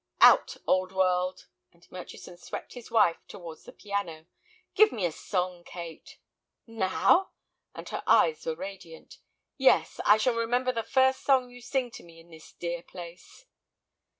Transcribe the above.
"Out—old world," and Murchison swept his wife towards the piano; "give me a song, Kate." "Now?" and her eyes were radiant. "Yes, I shall remember the first song you sing to me in this dear place."